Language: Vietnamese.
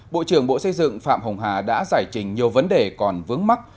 bộ trưởng bộ xây dựng phạm hồng hà đã giải trình nhiều vấn đề còn vướng mắt